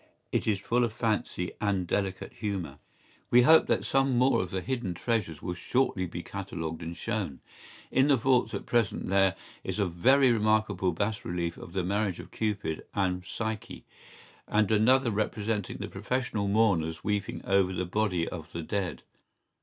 ¬Ý It is full of fancy and delicate humour. We hope that some more of the hidden treasures will shortly be catalogued and shown.¬Ý In the vaults at present there is a very remarkable bas relief of the marriage of Cupid and Psyche, and another representing the professional mourners weeping over the body of the dead.